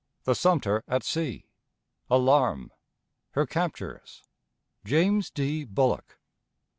The Sumter at Sea. Alarm. Her Captures. James D. Bullock.